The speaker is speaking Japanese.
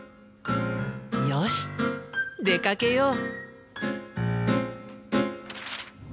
よし出かけよう。